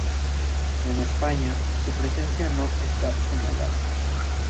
En España, su presencia no está señalada.